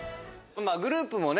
グループもね